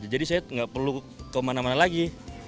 jadi saya tidak perlu kemana mana lagi